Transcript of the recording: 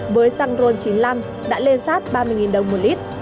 với xăng ron chín mươi năm đã lên sát ba mươi đồng một lít